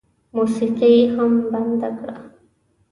موسيقي یې هم بنده کړه.